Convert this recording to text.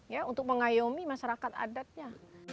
ya untuk mengayomi masyarakat adatnya